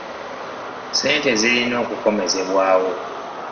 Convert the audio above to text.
Ssente zirina okukomezebwawo.